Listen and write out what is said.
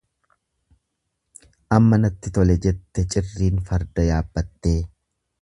Amma natti tole jette cirriin farda yaabbattee.